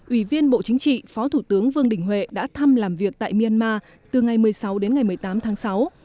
ủy viên bộ chính trị phó thủ tướng vương đình huệ đã thăm làm việc tại myanmar từ ngày một mươi sáu đến ngày một mươi tám tháng sáu